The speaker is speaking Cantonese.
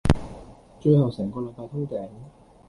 最後成個禮拜通頂